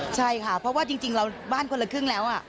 ใช่ค่ะเพราะว่าจริงเราบ้านคนละครึ่งแล้ว